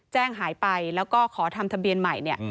แจ้งหายไปแล้วก็ขอทำทะเบียนใหม่เนี่ย